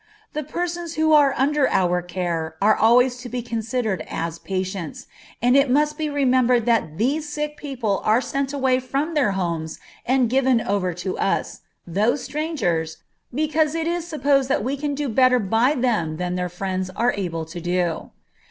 The persons who are under our care are always to be considered as patients, and it must be remembered that these sick people are sent away from their homes and given over to us, though strangers, because it is supposed that we can do better by them than their friends are able to do.